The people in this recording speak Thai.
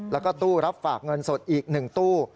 แล้วก็ตู้รับฝากเงินสดอีก๑ตู้